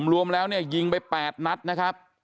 รวมแล้วเนี่ยยิงไป๘นัดนะครับ